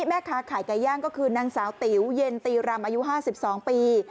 แม่ค้าขายไก่ย่างก็คือนางสาวติ๋วเย็นตีรำอายุ๕๒ปี